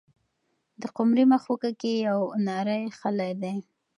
د قمرۍ مښوکه کې یو نری خلی دی.